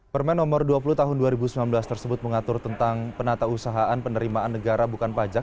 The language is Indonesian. permen nomor dua puluh tahun dua ribu sembilan belas tersebut mengatur tentang penata usahaan penerimaan negara bukan pajak